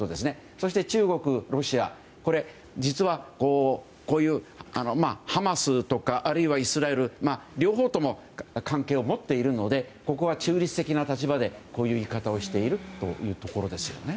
そして、中国、ロシアは実はハマスとかあるいはイスラエル両方とも関係を持っているのでここは中立的な立場でこういう言い方をしているということですね。